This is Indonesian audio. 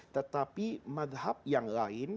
tetapi madhab yang lain